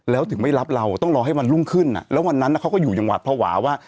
แล้วถึงไม่รับเราต้องรอให้วันรุ่งขึ้นแล้ววันนั้นเขาก็อยู่อย่างหวัดภาวะว่า